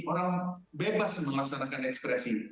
orang bebas melaksanakan ekspresi